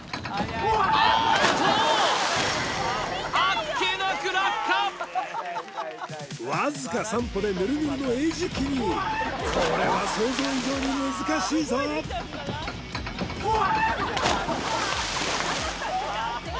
あっけなく落下わずか３歩でぬるぬるの餌食にこれは想像以上に難しいぞうわあ！